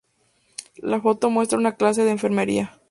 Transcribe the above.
La foto muestra una clase de enfermería.